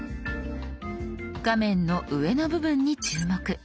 画面の上の部分に注目。